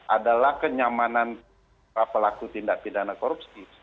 adalah kenyamanan pelaku tindak pidana korupsi